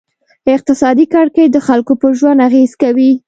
اقتصادي کړکېچ د خلکو پر ژوند اغېز کوي.